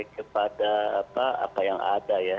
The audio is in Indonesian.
kepada apa yang ada ya